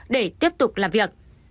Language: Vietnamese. để tiếp tục làm việc